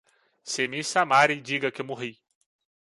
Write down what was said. Se me chamarem, diga que morri!